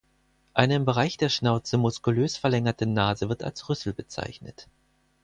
Eine im Bereich der Schnauze muskulös verlängerte Nase wird als Rüssel bezeichnet.